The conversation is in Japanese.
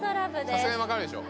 さすがに分かるでしょ